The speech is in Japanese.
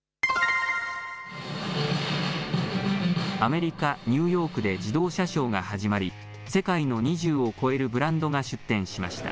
アメリカ・ニューヨークで自動車ショーが始まり世界の２０を超えるブランドが出展しました。